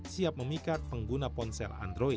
siap memikat pengguna ponsel android